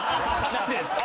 何でですか。